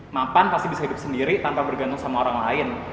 mapan pasti bisa hidup sendiri tanpa bergantung sama orang lain